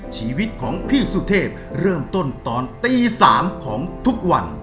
ชีวิตของพี่สุเทพเริ่มต้นตอนตี๓ของทุกวัน